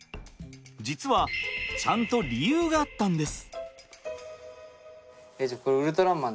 実はちゃんと理由があったんです。